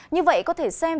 như vậy có thể xem